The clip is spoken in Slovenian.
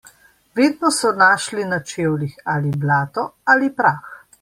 Vedno so našli na čevljih ali blato ali prah.